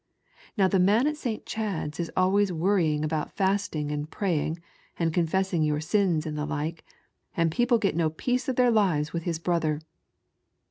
Now the man ^at St. Chad's is always worrying about fasting and ; and confessing your sina and the like, and jople get DO peace of their lives with his hother."